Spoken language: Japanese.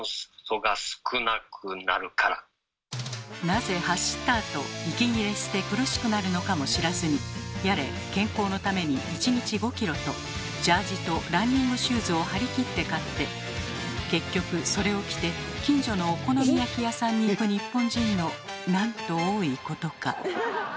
なぜ走ったあと息切れして苦しくなるのかも知らずにやれ「健康のために１日５キロ！」とジャージとランニングシューズを張り切って買って結局それを着て近所のお好み焼き屋さんに行く日本人のなんと多いことか。